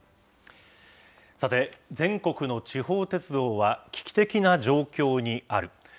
さて、全国の地方鉄道は、危機的な状況にある。